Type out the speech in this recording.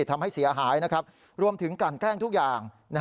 ทำให้เสียหายรวมถึงกลั่นแกล้งทุกอย่าง